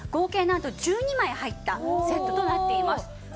なんと１２枚入ったセットとなっています。